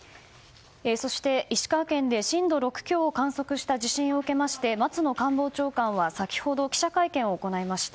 そして、石川県で震度６強を観測した地震を受けまして松野官房長官は先ほど記者会見を行いました。